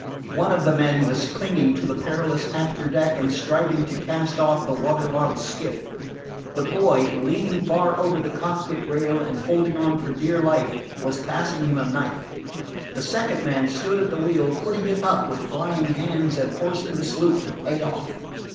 One of the men was clinging to the perilous after deck and striving to cast off the water logged skiff. The boy, leaning far over the cockpit rail and holding on for dear life, was passing him a knife. The second man stood at the wheel, putting it up with flying hands and forcing the sloop to pay off.